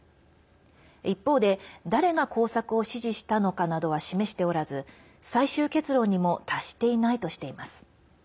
一方で、誰が工作を指示したのかなどは示しておらず最終結論にも達していないとしています。